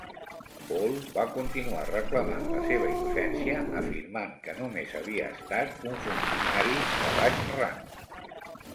Pohl va continuar reclamant la seva innocència afirmant que només havia estat un funcionari de baix rang.